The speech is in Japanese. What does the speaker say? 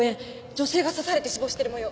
女性が刺されて死亡している模様。